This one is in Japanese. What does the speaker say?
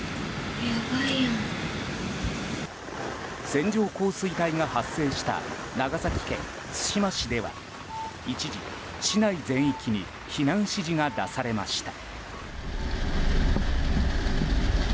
線状降水帯が発生した長崎県対馬市では一時市内全域に避難指示が出されました。